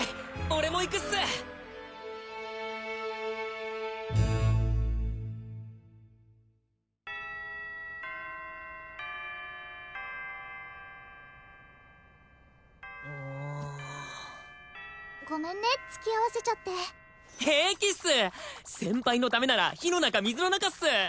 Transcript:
俺も行くっすうんごめんね付き合わせちゃって平気っす先輩のためなら火の中水の中っす